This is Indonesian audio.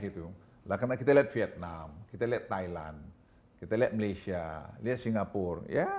itulah karena kita lihat vietnam kita lihat thailand kita lihat malaysia lihat singapura